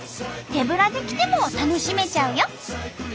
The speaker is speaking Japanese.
手ぶらで来ても楽しめちゃうよ！